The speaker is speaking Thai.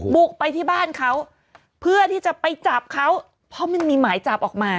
บุกไปที่บ้านเขาเพื่อที่จะไปจับเขาเพราะมันมีหมายจับออกมา